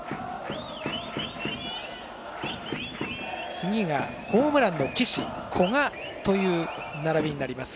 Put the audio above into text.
次がホームランの岸、古賀という並びになります。